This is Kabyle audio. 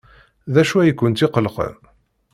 D acu ay kent-iqellqen?